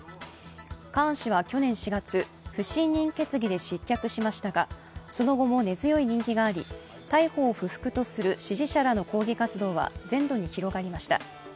カーン氏は去年４月不信任決議で失脚しましたがその後も根強い人気があり逮捕を不服とする支持者らの抗議活動は全土に広がりました。